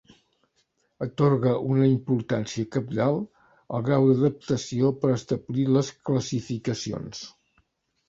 Atorga una importància cabdal al grau d'adaptació per establir les classificacions.